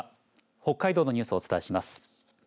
北海道のニュースをお伝えします。